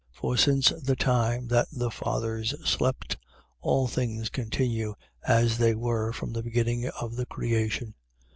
For since the time that the fathers slept, all things continue as they were from the beginning of the creation.